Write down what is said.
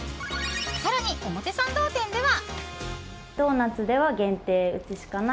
更に表参道店では。